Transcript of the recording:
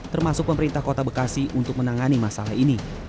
termasuk pemerintah kota bekasi untuk menangani masalah ini